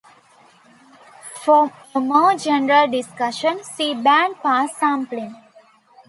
For a more general discussion, see bandpass sampling.